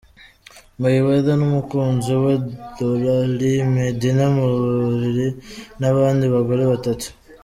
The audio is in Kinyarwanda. Mayweather n'umukunzi we Doralie Medina mu buriri n'abandi bagore batatu!.